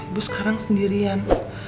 ibu sekarang sendirian